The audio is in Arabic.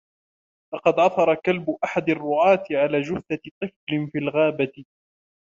لقد عثر كلب أحد الرعاة على جثة طفل في الغابة.